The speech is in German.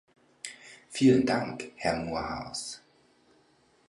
Vielen Dank, Herr Moorhouse.